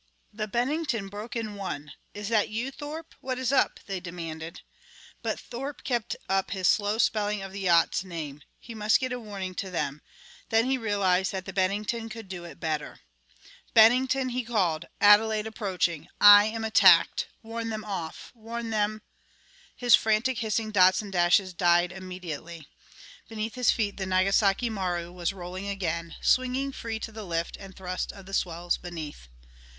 The Bennington broke in one. "Is that you, Thorpe? What is up?" they demanded. But Thorpe kept up his slow spelling of the yacht's name. He must get a warning to them! Then he realized that the Bennington could do it better. "Bennington," he called, "Adelaide approaching. I am attacked. Warn them off. Warn them " His frantic, hissing dots and dashes died immediately. Beneath his feet the Nagasaki Maru was rolling again, swinging free to the lift and thrust of the swells beneath.